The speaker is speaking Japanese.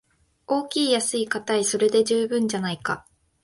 大きい安いかたい、それで十分じゃないか